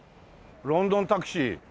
ロンドンタクシー。